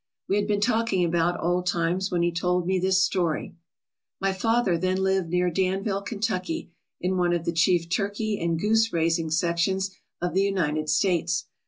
We had been talking about old times when he told me this story: "My father then lived near Danville, Kentucky, in one of the chief turkey and goose raising sections of the United States.